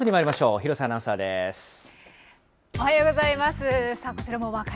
廣瀬アおはようございます。